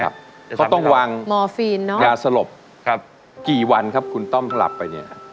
เขาต้องวางมอร์ฟีนยาสลบกี่วันครับคุณต้อมหลับไปเนี่ย